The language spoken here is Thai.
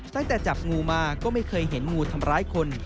จับงูมาก็ไม่เคยเห็นงูทำร้ายคน